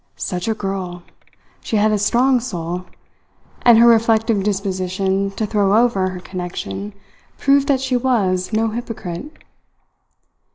Such a girl! She had a strong soul; and her reflective disposition to throw over her connection proved that she was no hypocrite.